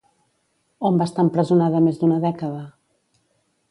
On va estar empresonada més d'una dècada?